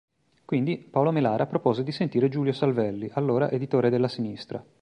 Quindi, Paolo Melara propose di sentire Giulio Savelli, allora editore della sinistra.